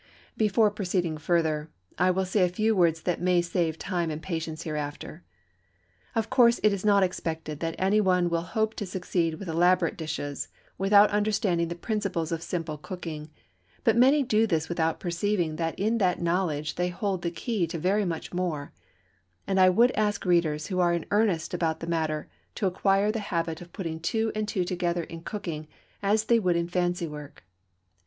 Before proceeding further I will say a few words that may save time and patience hereafter. Of course it is not expected that any one will hope to succeed with elaborate dishes without understanding the principles of simple cooking, but many do this without perceiving that in that knowledge they hold the key to very much more, and I would ask readers who are in earnest about the matter to acquire the habit of putting two and two together in cooking as they would in fancy work.